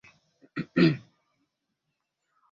madhara mabaya kwa mfumo wa kupumua na wa moyo na mzunguko wa